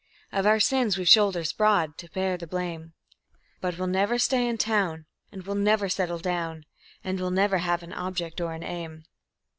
Of our sins we've shoulders broad to bear the blame; But we'll never stay in town and we'll never settle down, And we'll never have an object or an aim.